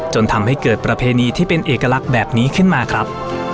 จนทำให้เกิดประเพณีที่เป็นเอกลักษณ์แบบนี้ขึ้นมาครับ